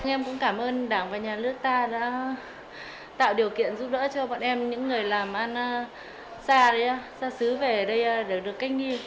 em cũng cảm ơn đảng và nhà nước ta đã tạo điều kiện giúp đỡ cho bọn em những người làm ăn xa xứ về ở đây để được cách ly